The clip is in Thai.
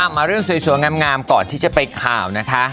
มาเรื่องสวยงามก่อนที่จะไปข่าวนะคะ